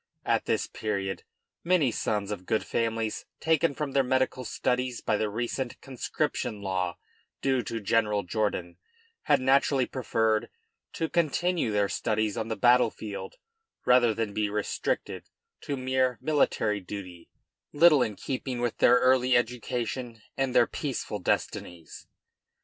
At this period many sons of good families taken from their medical studies by the recent conscription law due to General Jourdan, had naturally preferred to continue their studies on the battle field rather than be restricted to mere military duty, little in keeping with their early education and their peaceful destinies.